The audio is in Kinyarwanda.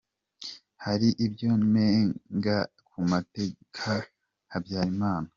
Hali ibyo nenga ku mateka ya Habyalimana.